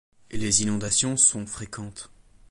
Les inondations sont fréquentes.